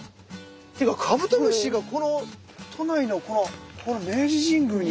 っていうかカブトムシが都内のこの明治神宮に。